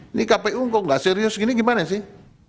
ini kpu kok nggak serius gini gimana sih